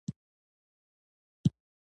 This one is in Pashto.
پراخه کچه مشترک شکل غورځولی.